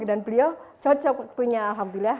dan ini juga cocok punya alhamdulillah